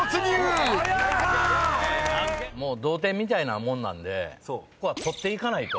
もう同点みたいなもんなんでここは取っていかないと。